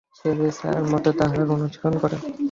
সে যে ছায়ার মতো তাঁহার অনুসরণ করে।